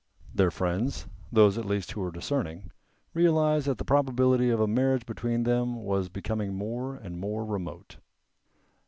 Their friends, those at least who were discerning, realized that the probability of a marriage between them was becoming more and more remote.